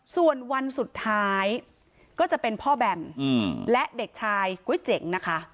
ส่วนวันสุดท้ายก็จะเป็นพ่อแบมและเด็กชายก๋วยเจ๋งนะคะ